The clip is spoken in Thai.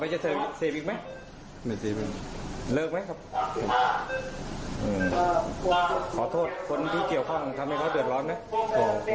ขอโทษคนที่เกี่ยวข้องทำให้เขาเดือดร้อนไหม